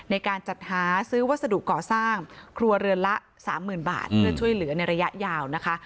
ในการจัดหาซื้อวัสดุก่อสร้างครัวเรือนละ๓๐๐๐บาทเพื่อช่วยเหลือในระยะยาวนะคะ